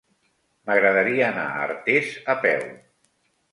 M'agradaria anar a Artés a peu.